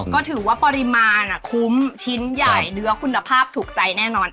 ก็ถือว่าปริมาณคุ้มชิ้นใหญ่เนื้อคุณภาพถูกใจแน่นอน